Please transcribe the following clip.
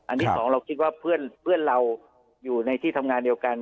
ที่สองเราคิดว่าเพื่อนเราอยู่ในที่ทำงานเดียวกัน